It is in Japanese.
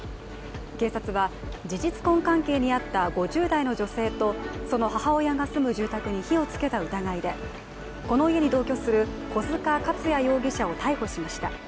警察は、事実婚関係にあった５０代の女性とその母親が住む住宅に火をつけた疑いでこの家に同居する小塚勝也容疑者を逮捕しました。